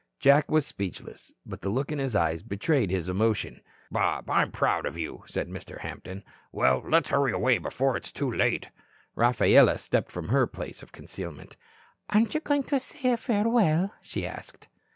Jack was speechless. But the look in his eyes betrayed his emotion. "Bob, I'm proud of you," said Mr. Hampton. "Well, let's hurry away before it is too late." Rafaela stepped from her place of concealment. "Aren't you going to say farewell?" she asked.